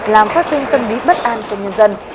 làm phát sinh tâm lý bất an trong nhân dân